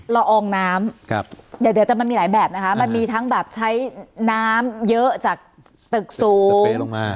ละอองน้ำแต่มันมีหลายแบบนะคะมันมีทั้งแบบใช้น้ำเยอะจากตึกสูง